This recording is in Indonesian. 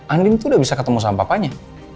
andin tuh udah bisa ketemu sama papanya